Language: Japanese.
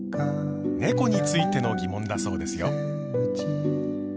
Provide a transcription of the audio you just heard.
ねこについての疑問だそうですよ。